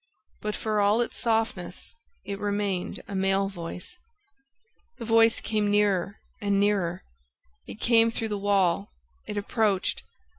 but, for all its softness, it remained a male voice ... The voice came nearer and nearer ... it came through the wall ... it approached